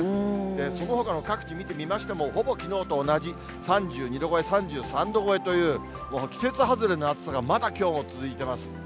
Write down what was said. そのほかの各地見てみましても、ほぼきのうと同じ、３２度超え、３３度超えという、季節外れの暑さがまだきょうも続いてます。